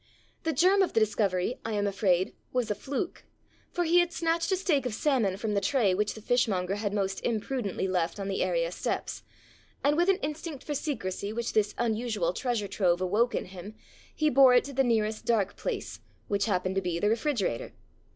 The germ of the discovery, I am afraid, was a fluke, for he had snatched a steak of salmon from the tray which the fishmonger had most imprudently left on the area steps, and, with an instinct for secrecy which this unusual treasure trove awoke in him, he bore it to the nearest dark place, which happened to be the re frigerator.